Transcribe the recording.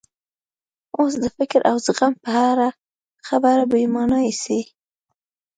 اوس د فکر او زغم په اړه خبره بې مانا ایسي.